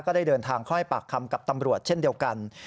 ได้เดินทางเข้าให้ปากคำกับตำรวจเช่นเดียวกัน